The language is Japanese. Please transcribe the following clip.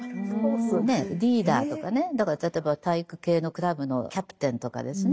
リーダーとかねだから例えば体育系のクラブのキャプテンとかですね